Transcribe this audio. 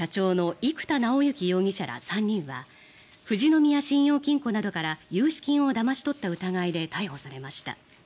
生田尚之容疑者ら３人は富士宮信用金庫などから融資金をだまし取った疑いで逮捕されました。